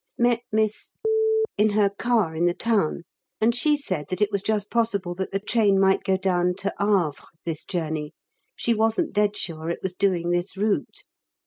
Met Miss in her car in the town, and she said that it was just possible that the train might go down to Havre this journey, she wasn't dead sure it was doing this route!